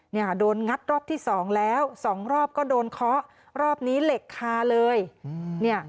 เนี่ยโดนงัดรอบที่สองแล้วสองรอบก็โดนเคาะรอบนี้เหล็กคาเลยอืมเนี่ย